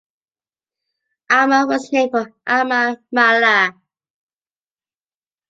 Alma was named for Alma Mahler.